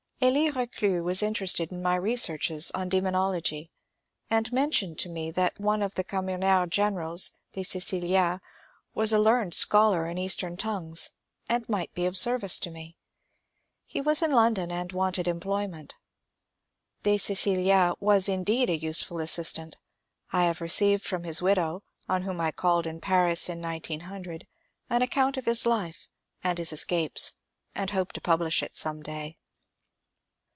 Elie Rdclus was interested in my researches on Demon 270 MONCURE DANIEL CONWAY ology, and mentioned to me that one of the eommonard gen erals, De Cecilia, was a learned scholar in Eastern tongues, and might be of service to me. He was in London, and wanted employment. De Cecilia was indeed a useful assistant. I have received from his widow, on whom I called in Paris in 1900, an account of his life and his escapes, and hope to publish it some day.